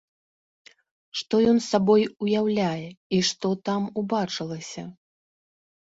Што ён сабой уяўляе і што там убачылася?